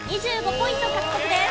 ２５ポイント獲得です。